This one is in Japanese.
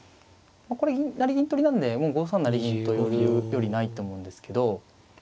これ成銀取りなんでもう５三成銀と寄るよりないと思うんですけど。